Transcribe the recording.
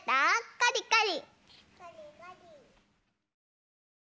カリカリ。